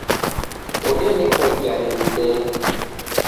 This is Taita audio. Odenekwa igare ni ndee.